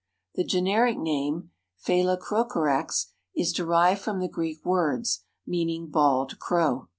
The generic name Phalacrocorax is derived from the Greek words, meaning bald crow.